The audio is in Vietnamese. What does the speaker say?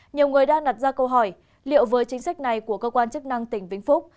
nhiều người đang đặt ra câu hỏi liệu với chính sách này của cơ quan chức năng tỉnh vĩnh phúc